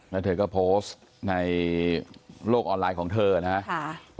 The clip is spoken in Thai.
แล้วเธอก็โพสต์ในโลกออนไลน์ของเธอนะครับ